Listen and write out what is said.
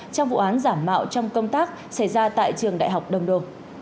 trong vụ án giả mạo trong công tác xảy ra tại trường đại học đông đô